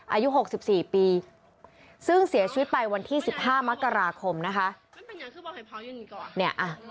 อายุ๖๔ปีซึ่งเสียชีวิตไปวันที่๑๕มกราคมนะคะ